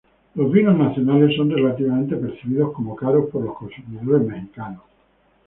Los vinos nacionales son relativamente percibidos como caros por los consumidores mexicanos.